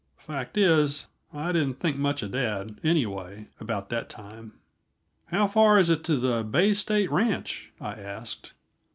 Fact is, I didn't think much of dad, anyway, about that time. "How far is it to the Bay State Ranch?" I asked.